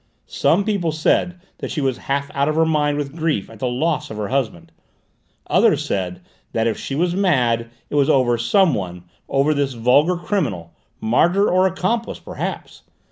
Some people said that she was half out of her mind with grief at the loss of her husband; others said that if she was mad, it was over someone, over this vulgar criminal martyr or accomplice, perhaps.